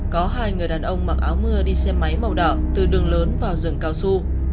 có hai người đàn ông mặc áo mưa đi xe máy màu đỏ từ đường lớn vào rừng cao su